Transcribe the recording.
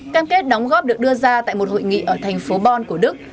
cam kết đóng góp được đưa ra tại một hội nghị ở thành phố bon của đức